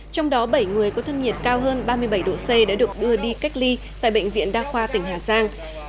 trong đó bảy người có thân nhiệt cao hơn ba mươi bảy độ c đã được đưa đi cách ly tại bệnh viện đa khoa tỉnh hà giang